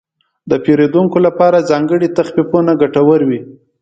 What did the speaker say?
د پیرودونکو لپاره ځانګړي تخفیفونه ګټور وي.